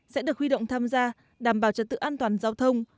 sẽ được huy động tham gia đảm bảo trật tự an toàn giao thông